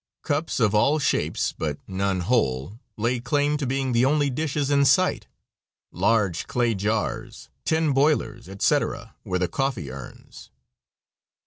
Cups of all shapes, but none whole, lay claim to being the only dishes in sight. Large clay jars, tin boilers, etc., were the coffee urns.